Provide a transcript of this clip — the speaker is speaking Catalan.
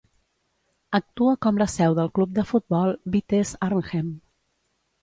Actua com la seu del club de futbol Vitesse Arnhem.